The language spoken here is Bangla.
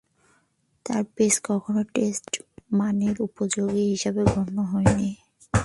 তার পেস কখনো টেস্ট মানের উপযোগী হিসেবে গণ্য হয়নি।